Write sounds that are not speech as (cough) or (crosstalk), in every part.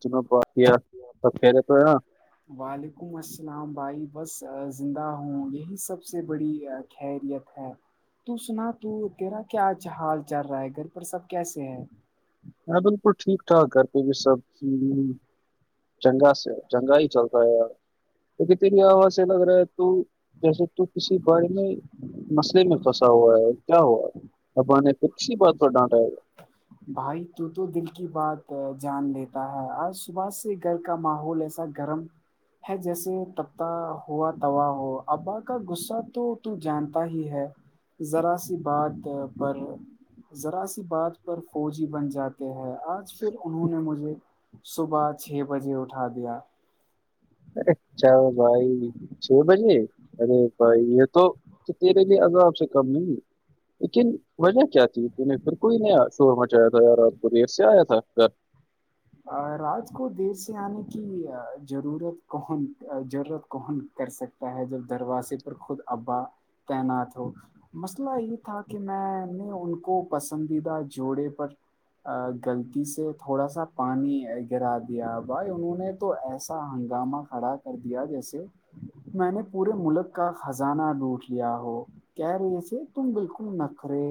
ج ب سب کہہ رہے تو ہے نا (unintelligible) وعلیکم السلام بھائی بس زندہ ہوں یہی سب سے بڑی خیریت ہے تو سنا تو تیرا کیاج حال چل رہا ہے گھر پر سب کیسے ہے ہاں بالکل ٹھیک ٹھاک گ پہ بھی سب چنگا سے چنگا ہی چلتاا ہے یار تو کتری آواز سے لگ رہا ہے تو جیسے تو کسی بڑ میں مسئلے میں پھنسا ہوا ہے کیا ہوا ہے اب نے پ کسی بات پر ڈانٹا ہ (unintelligible) بھائی تو تو دل کی بات جان لیتا ہے آج صبح سے گھر کا ماحول ایسا گرم ہے جیسے تبتا ہوا تا ہو ابا کا غصہ تو ت جانتا ہی ہے ذرا سی بات پر ذرا سی بات پر فوجی بن جاتے ہیں آج پھر انہوں نے مجھے صبح چھ بجے اٹھا دیا ا چل بھائی چھ بجے ا بھائی یہ تو تو تیرے لی عذاب سے کم نہیں لیکن وجہ کیا تھی ت نے پھر کوئی نیا شوور مچایا تھا ار ر آپ کو دیر سے آیا تھا گھر (unintelligible) رات کو دیر سے آنے کی ضرورت کون ضرورت کون کر سکتے ہے جب دروازے پر خود ابا تعینات ہو مسئلہ یہ تھا کہ میں نے ان کو پسندیدہ جوڑے پر گغلطی سے تھوڑا سا پانی گرا دیا بھائی انہوں نے تو ایسا ہنگامہ کھڑا کر دیا جیسے میں نے پورے ملک کا خزانہ ڈوٹ لیا ہو کیا رہی تھے تم بالکل نخرے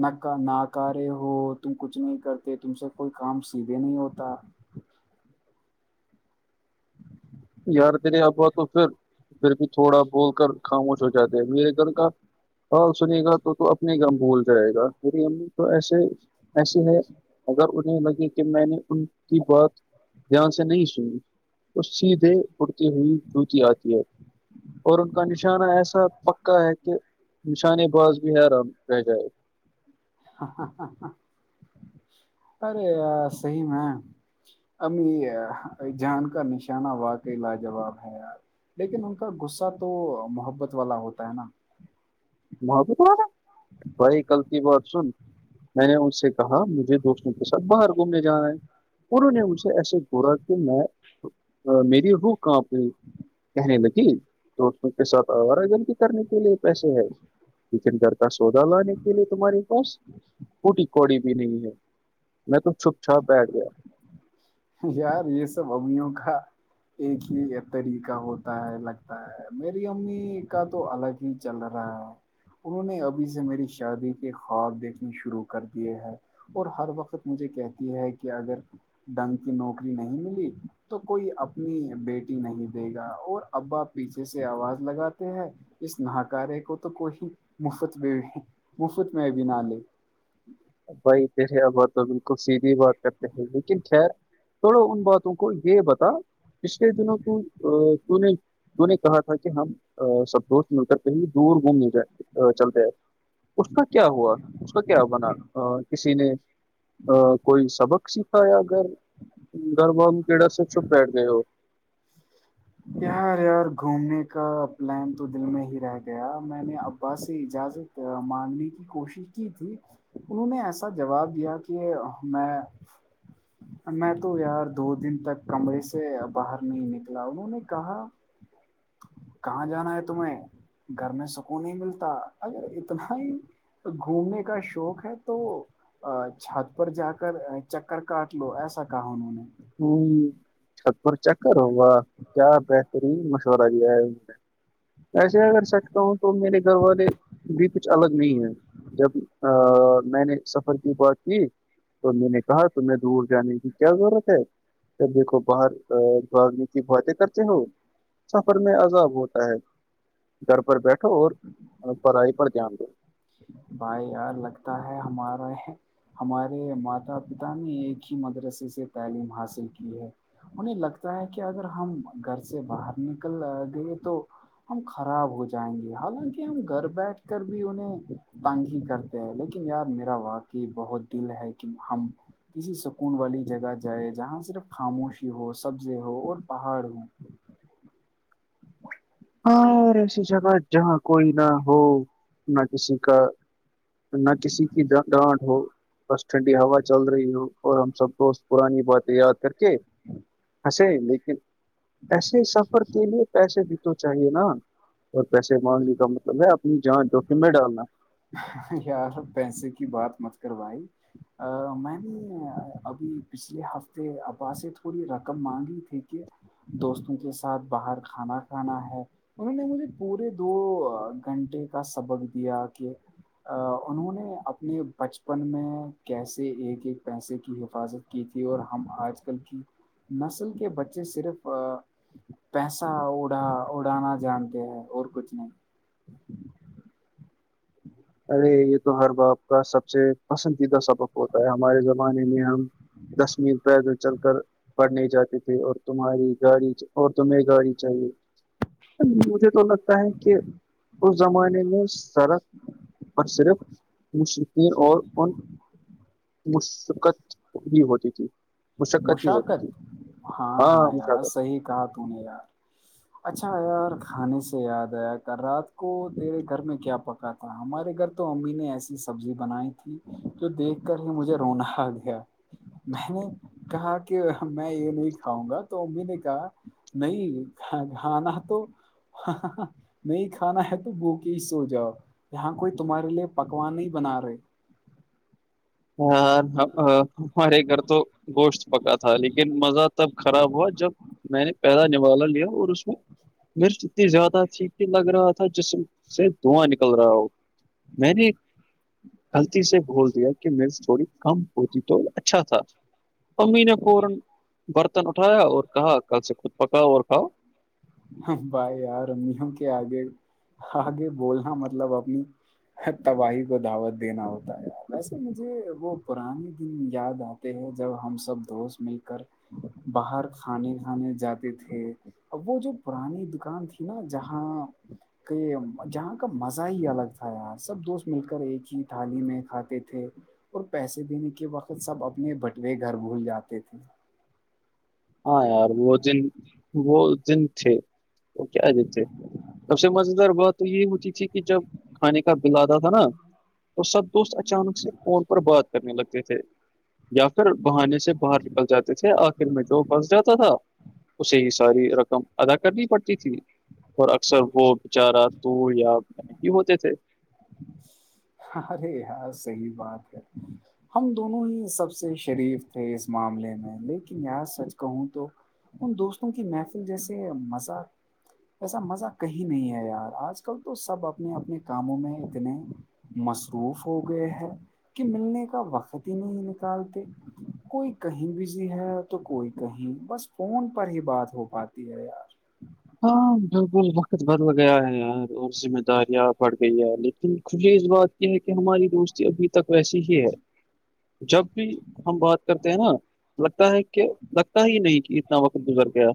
نہ ناکارے ہو تم کچھ نہیں کرتے تم سے کوئی کام سیدھے نہیں ہوتا یار دیر آبا تو پھر پھر بھی تھوڑا بول کر خاموش ہو جاتے ہیں میرے گھر کا ہاں سنی گا تو اپنے گم بھول جائے گا میری امی تو ایسے ایسے ہے اگر انہیں لگے کہ میں نے ان کی بات دھیان سے نہیں سنی تو سیدھے اٹتے ہوئی وتی آتی ہے اور ان کا نشانہ ایسا پکا ہے کہ نشانے باز بھی حیران رہ جائے ارے صحی میں امی جان کا نشانہ واقعی لاجواب ہے ار لیکن ان کا غصہ تو محبت والا ہوتا ہے نا وہی کلتی بات سن میں نے کہا مجھے دوستوں کے ساتھ باہر گھومنے جا رہا ہے انہوں نے مجھ سے ایسے گورا کہ میں ا میری وہ کاں پئی (unintelligible) کہنے لگی تو کے ساتھ آوارہ گلطی کرنے کے لیے پیسے ہے کچن گھر کا سودا لانے کے لیے تمہاریے پاس کوٹی کوڑی بھی نہیں ہے میں تو چھپ چھاپ بیٹھ گیا یار یہ سب ابوں کا ایک ہی طریقہ ہوتا ہے لگتا ہے میری امی کا تو الگ ہی چل رہا ہے انہوں نے ابھی سے میری شادی کے خواب دیکھنے شروع کر دیے ہیں اور ہر وقت مجھے کہتی ہے کہ اگر ڈنگ کی نوکری نہیں ملی تو کوئی اپنی بیٹی نہیں دے گا اور ابا پیچھے سے آواز لگاتے ہیں اس ناکارے کو تو کوئی مفت میں مفت میں بھی نہ لے بھائی تیرے ابات تو بالکل سیدھھی بات کرتے ہیں لیکن خیر تھڑو ان باتوں کو یہ بتا پچھلے دنوں کو نے انوں نے کہا تھا کہ ہم سب دوست مل کر کہیں دور گھومنے چلتےئے اس کا کیا ہوا اس کا کیا بنا کسی نے ا کوئی سبق سیکھا یا اگر گھر وام کیڑا س چپ بیٹھ گئے ہو یار یار گھومنے کا پلان تو دل میں ہی رہ گیا میں نے ابا سے اجازت مارنے کی کوشش کی تھی انہوں نے ایسا جواب دیا کہ میں میں تو یار دو دن تک کمرے سے باہر نہیں نکلا انہوں نے کہاں کہاں جانا ہے تمہیں گھر میں سکون نہیں ملتا اگر اتنا ہی گھومنے کا شوق ہے تو ا چھات پر جا کر چکر کاٹ لو ایسا کہا انہوں نے ہوں چھت پر چکر ہوگا کیا بہترین مشورہ دیا ہے ان نے ایسے اگر سچتا ہوں تو میرے گھر والے بھی کچھ الگ نہیں ہیں جب میں نے سفر کی بات کیھی تو میں نے کہا تمہیں دور جانے کی کیا ضرورت ہے دیکھو باہر بھاگنے کی باتیں کرتے ہو سفر میں عذاب ہوتا ہے گھر پر بیٹھو اور پڑھائی پر دھیان دو بھائی یار لگتا ہے ہمارا ہے ہمارے ماتا پتا نے ایک ہی مدرسے سے تعلیم حاصل کی ہے انہیں لگتا ہے کہ اگر ہم گھر سے باہر نکل گئے تو ہم خراب ہو جائیں گے حالانکہ ہم گھر بیٹھ کر بھی انہیں تنگ ہی کرتے ہیں لیکن یار میرا واقعی بہت دل ہے کہ ہم کسی سکون والی جگہ جائے جہاں صرف خاموشی ہو سبزے ہو اور پہاڑ ہو ہاں اور ایسی جگہ جہاں کوئی نہ ہو نہ کسی کا نہ کسی کی ڈانٹ ہو بس ٹھنڈی ہوا چل رہی ہو اور ہم سب کو پرانی باتیں یاد کر کے لیکن ایسے سفر کے لیے پیسے دکھ تو چاہیے نا اور پیسے مانگنے کا مطلب ہے اپنی جانچ ڈک میں ڈالنا یار پیسے کی بات مت کروائی میں نے ابھی پچھلے ہفتے ابا سے تھوڑی رقم مانگی تھی کہ دوستوں کے ساتھ باہر کھانا کھانا ہے انہوں نے مجھے پورے دو گھنٹے کا سبق دیا کہ انہوں نے اپنے بچپن میں کیسے ایک ایک پیسے کی حفاظت کی تھی اور ہم آج کل کی نسل کے بچے صرف پیسہ اڑا اڑانا جانتے ہیں اور کچھ نہیں ارے یہ تو ہر باپ کا سب سے پسندیدہ سب وقت ہوتا ہے ہمارے زمانے میں ہم کشمیر پیدل چل کر پڑھنے جاتے تھے اور تمہاری گاڑی اور تمہیں گاڑی چاہیے مجھے تو لگتا ہے کہ اس زمانے میں سرک پر صرف مشقین اور ان مشقت جی ہوتی تھی ہی ہوتی مشقت تھی ہاں ہاں یار صحیح کہا تو نے یار اچھا یار کھانے سے یاد آیا رات کو تیرے گھر میں کیا پکا ہمارے گھر تو امی نے ایسی سبزی بنائی تھی جو دیکھ کر ہی مجھے رونا آ گیا میں نے کہا کہ میں یہ نہیں کھاؤں گا تو امی نے کہا نہیں گانا تو نہیں کھانا ہے تو وہک سو جاؤ یہاں کوئی تمہارے لیے پکوان نہیں بنا رہے ہ ہمارے گھر تو گوشت پکا تھا لیکن مزہ تب خراب ہوا جب میں نے پہیدا نوالا لیا اور اس میں مرچ اتنی زیادہ تھی کہ لگ رہا تھا جسم سے دھواں نکل رہا ہو میں نے غلطی سے بھول دیا میری اسٹوری کم ہوتی تو اچھا تھا امیین پورن (unintelligible) برتن اٹھایا اور کہا کل سے خود پکاؤ اور کھؤ بھائی یار امیوں کے آگے آگے بولنا مطلب اپنی تباہی کو دعوت دینا ہوتا ہے ویسے مجھے وہ پرانے دن یاد آ ہیں جب ہم سب دوست مل کر باہر کھانے کھانے جاتے تھے ا وہ جو پرانی دکان تھی نا جہاں کہ یہ جہاں کا مزہ ہی الگ تھا یار سب دوست مل کر ایک ہی تھالی میں کھاتے تھے اور پیسے دینے کے وقت سب اپنے بٹوے گھر بھول جاتے تھے ہاں یار وہ دن وہ دن تھے وہ کیا دیتے سب سے مز دار بہت تو یہ ہوتی تھی کہ جب کھانے کا بل آتا تھا نا تو سب دوست اچانک سے فون پر بات کرنے لگتے تھے یا پھر بہانے سے باہر نکل جاتے تھے آخر میں جو پھنس جاتا تھا اسے ہی ساری رقم ادا کرنی پڑتی تھی اور اکثر وہ بچارہ تو یا نہیںی ہوتے تھے ارے ہاں صحی بات ہے ہم دونوں ہی سب سے شریف تھے اس معاملے میں لیکن ار سچ کہوں تو ان دوستوں کی محفل جیسے مزہ ایسا مزہ کہیں نہیں ہے یار آج کل تو سب اپنے اپنے کاموں میں اتنے مصروف ہو گئے ہیں کہ ملنے کا وقت ہی نہیں نکالتے کوئی کہیں بزی ہے تو کوئی کہیں بس فون پر ہی بات ہو پاتی ہے یار ہاں بالکل وقت بدل گیا ہے یار اور ذمہ داریاں بڑ گئی ہے لیکن مجھے اس بات کی ہے کہ ہماری دوست ابھی تک ویسی ہی ہے جب بھی ہم بات کرتے ہیں نا لگتا ہے کہ لگتا ہی نہیں کہ اتنا وقت گزر گیا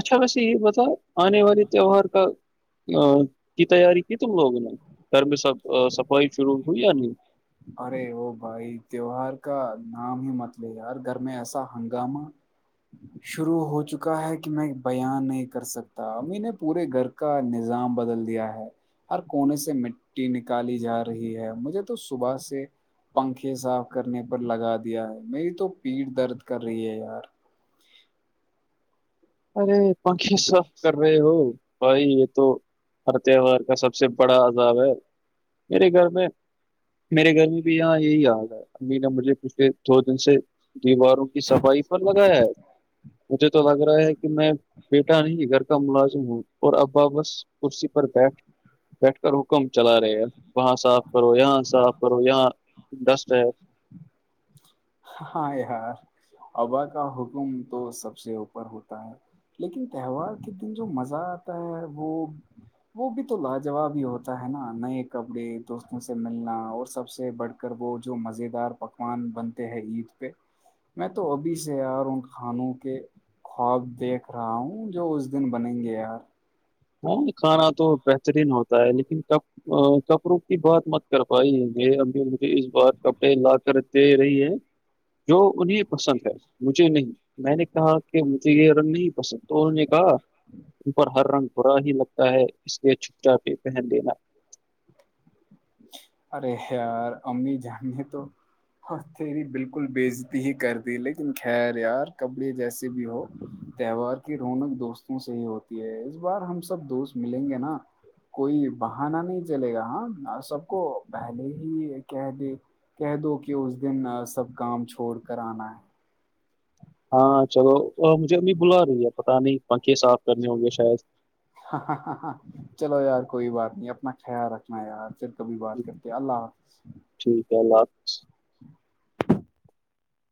اچھا ویسے یہ بتا آنے والے تہوہار کا کی تیاری کی تم لوگوں نے گھر میں سب صفائی شروع ہوئی یا نہیں ارے وہ بھائی تیوہار کا نام ہی مت لے یار گھر میں ایسا ہنگامہ شروع ہو چکا ہے کہ میں بیاان نہیں کر سکتا امی نے پورے گھر کا نظام بدل دیا ہے ہر کونے سے مٹی نکالی جا رہی ہے مجھے تو صبح سے پنکھے صاف کرنے پر لگا دیا ہے میری تو پیٹ درد کر رہی ہے یار ارے پنکھے صاف کر رہے ہو بھائی یہ تو ہر تہوار کا سب سے بڑا عذاب ہے میرے گھر میں میرے گھر میں بھی یہاں یہی یاد ہے امی نےا مجھے پچھلے دو دن سے دیواروں کی صفائی پر لگایا ہے مجھے تو لگ رہا ہے کہ میں بیٹا نہیں گھر کا ملازم ہوں اور اب واپس کرسی پر بیٹھ بیٹھ کر حکم چلا رہے ہے وہاں صاف کرو یہاں صاف کرو یہاں ڈسٹ ہے ہاں یار ابا کا حکم تو سب سے اوپر ہوتا ہے لیکن تہوار کے دن جو مزہ آتا ہے وہ وہ بھی تو لاجواب ہی ہوتا ہے نا نئے کپڑے دوستوں سے ملنا اور سب سے بڑ وہ جو مزے دار پکوان بنتے ہیں عید پہ میں تو ابھی سے یار ان کھانوں کے خواب دیکھ رہا ہوں جو اس دن بنیں گے یار ہاں کھانا تو بہترین ہوتا ہے لیکن کب ا کپڑوں کی بات مت کر پائی ابھی مجھے اس بار کپڑے لا کر دے رہی ہے جو انہیں پسند ہے مجھے نہیں میں نے کہا کہ مجھے یہ رنگ نہیں پسند تو انہوں نے کہا اوپر ہر رنگ برا ہی لگتا ہے اس لیے چھپچا پی پہن دینا ارے ار امی جان ہیں تو ہاں تری بالکل بےزتی ہی کر دی لیکن خیر یار کپڑے جیسے بھی ہو تہوار کی رونق دوستوں سے ہی ہوتی ہے اس بار ہم سب دوست ملیں گے نا کوئی بہانا نہیں چلے گا ہاں اور سب کو پہلے ہی کہ دے کہہ دو کہ اس دن سب کام چھوڑ کر آنا ہے ہاں چلو مجھے امی بلا رہی ہے پت نہیں پنکھے صاف کرنے ہوں گے شاید ہاں ہ چلو یار کوئی بات نہیں اپنا خیال رکھنا یار کبھی بات کرتے اللہ حافظ ٹھیک ہے اللہ حافظ